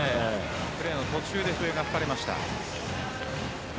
プレーの途中で笛が吹かれました。